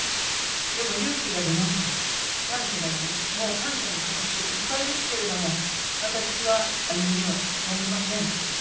でも、勇気が出ました、もう感謝の気持ちでいっぱいですけれども私は歩みを止めません。